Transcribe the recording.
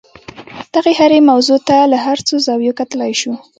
دغې هرې موضوع ته له څو زاویو کتلای شو.